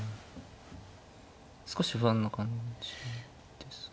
少し不安な感じですかね。